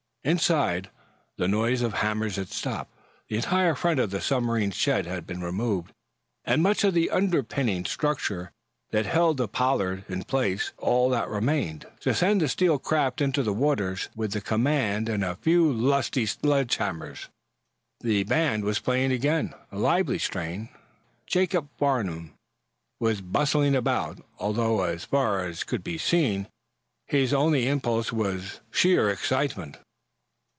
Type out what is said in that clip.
Inside, the noise of hammers had stopped. The entire front of the submarine's shed had been removed, and much of the underpinning structure that held the "Pollard" in place. All that remained, to send the steel craft into the water, were the command and a few lusty sledgehammer strokes. The band was playing again, a lively strain. Jacob Farnum was bustling about, although, as far as could be seen, his only impulse was sheer excitement.